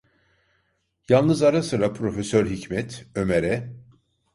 Yalnız ara sıra Profesör Hikmet Ömer’e: